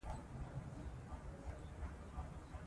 په افغانستان کې د مزارشریف تاریخ اوږد دی.